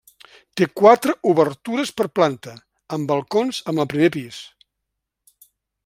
Té quatre obertures per planta, amb balcons amb el primer pis.